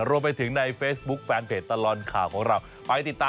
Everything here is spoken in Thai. รวมไปถึงในเฟสบุ๊คแฟนเพจตลรนด์ข่าวของเรา